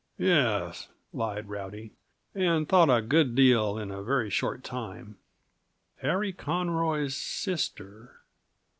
"Yes," lied Rowdy, and thought a good deal in a very short time. Harry Conroy's sister!